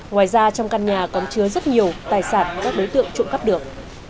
ngoài ra trong căn nhà có chứa rất nhiều tài sản của các đối tượng trụng cấp được